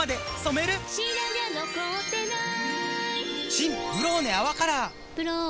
新「ブローネ泡カラー」「ブローネ」